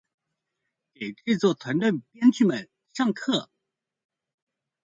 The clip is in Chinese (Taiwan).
給製作團隊編劇們上課